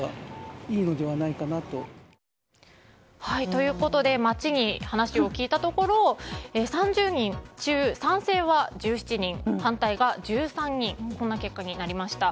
ということで街で話を聞いたところ３０人中、賛成は１７人反対が１３人こんな結果になりました。